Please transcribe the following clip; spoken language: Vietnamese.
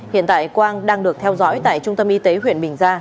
hiện tại quang đang được theo dõi tại trung tâm y tế huyện bình gia